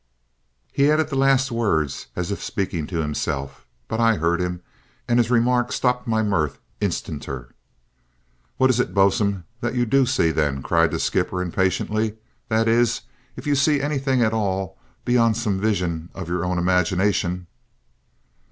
He added the last words as if speaking to himself, but I heard him, and his remark stopped my mirth instanter. "What is it, bo'sun, that you do see, then?" cried the skipper impatiently; "that is, if you see anything at all beyond some vision of your own imagination!"